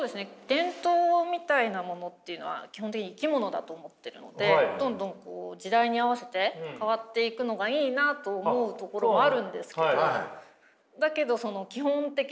伝統みたいなものっていうのは基本的に生き物だと思ってるのでどんどん時代に合わせて変わっていくのがいいなと思うところもあるんですけど。